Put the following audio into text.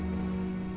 terima kasih ibu